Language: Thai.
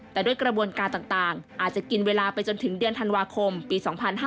แต่ด้วยกระบวนการต่างอาจจะกินเวลาไปจนถึงเดือนธันวาคมปี๒๕๕๙